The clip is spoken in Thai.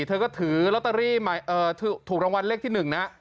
เธอก็ถือลอตเตอรี่ถูกรางวัลเลขที่๑นะ